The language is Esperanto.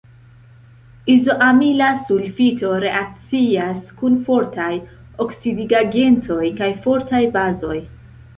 Izoamila sulfito reakcias kun fortaj oksidigagentoj kaj fortaj bazoj.